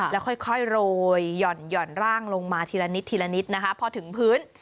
แล้วค่อยโรยหย่อนร่างลงมาทีละนิดพอถึงพื้น